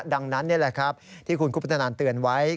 ดังนั้นนี่แหละครับที่คุณคุปตนันเตือนไว้